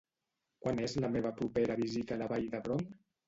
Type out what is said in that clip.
Quan és la meva propera visita a la Vall d'Hebron?